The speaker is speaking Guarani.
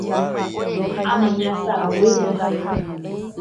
Amaña saguy hese